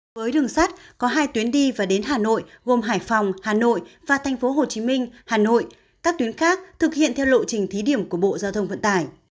với đường sắt có hai tuyến đi và đến hà nội gồm hải phòng hà nội và tp hcm hà nội các tuyến khác thực hiện theo lộ trình thí điểm của bộ giao thông vận tải